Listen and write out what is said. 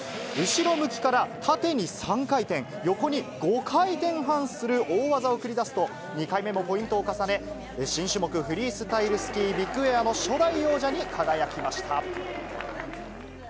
後ろ向きから縦に３回転、横に５回転半する大技を繰り出すと、２回目もポイントを重ね、新種目、フリースタイルスキービッグエアの初代王者に輝きました。